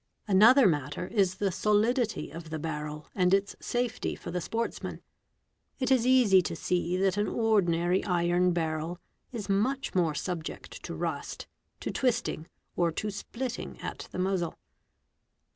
Another matter is the solidity of the barrel and its — safety for the sportsman. It is easy to see that an ordinary iron barrel is — much more subject to rust, to twisting, or to splitting at the muzzle.